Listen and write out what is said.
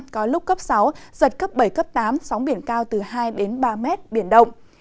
có lúc cấp sáu giật cấp bảy cấp tám sóng biển cao từ hai ba mét biển động